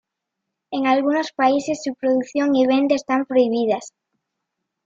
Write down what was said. En algunos países su producción y venta están prohibidas.